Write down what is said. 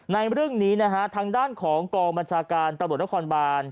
ในเรื่องนี้นะฮะทางด้านของกองบัญชาการตำรวจนครบาน